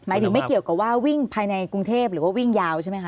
ถึงไม่เกี่ยวกับว่าวิ่งภายในกรุงเทพหรือว่าวิ่งยาวใช่ไหมค